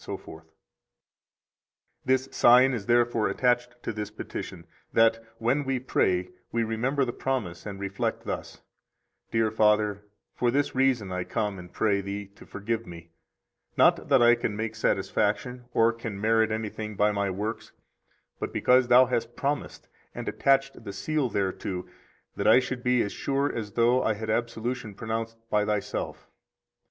97 This sign is therefore attached to this petition, that, when we pray, we remember the promise and reflect thus: Dear Father, for this reason I come and pray Thee to forgive me, not that I can make satisfaction, or can merit anything by my works, but because Thou hast promised and attached the seal thereto that I should be as sure as though I had absolution pronounced by Thyself.